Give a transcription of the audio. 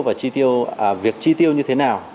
và việc chi tiêu như thế nào